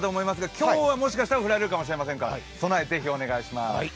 今日はもしかしたら降られるかもしれませんから、ぜひ備えをお願いします。